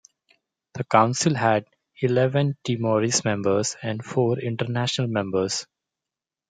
The Council had eleven Timorese members and four international members.